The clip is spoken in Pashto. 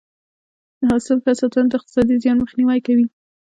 د حاصل ښه ساتنه د اقتصادي زیان مخنیوی کوي.